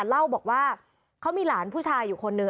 เล่าบอกว่าเขามีหลานผู้ชายอยู่คนนึง